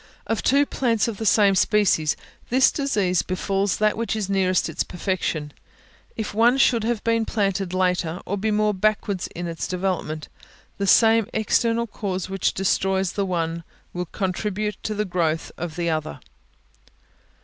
Of two plants of the same species, this disease befalls that which is nearest its perfection; if one should have been planted later, or be more backward in its development, the same external cause which destroys the one will contribute to the growth of the other.